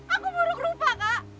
aku buruk rupa kak